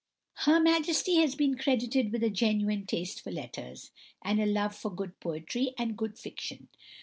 Her Majesty has been credited with a genuine taste for letters, and a love for good poetry and good fiction.